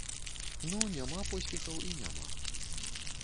Ну, няма поспехаў і няма.